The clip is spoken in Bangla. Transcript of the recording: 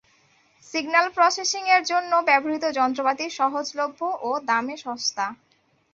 সিগন্যাল প্রসেসিং এর জন্য ব্যবহৃত যন্ত্রপাতি সহজলভ্য ও দামে সস্তা।